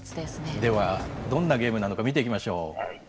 ではどんなゲームなのか見ていきましょう。